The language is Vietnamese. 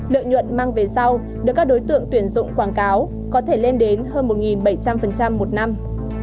lợi nhuận mang về sau được các đối tượng tuyển dụng quảng cáo có thể lên đến hơn một bảy trăm linh một năm